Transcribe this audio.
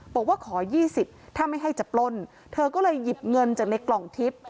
บอกว่าขอ๒๐ถ้าไม่ให้จะปล้นเธอก็เลยหยิบเงินจากในกล่องทิพย์